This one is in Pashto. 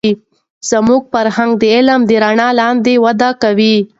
زموږ فرهنگ د علم د رڼا لاندې وده کوي.